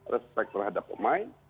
respect terhadap pemain